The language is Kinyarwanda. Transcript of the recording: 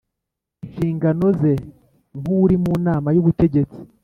inshingano ze nk uri mu Nama y Ubutegetsi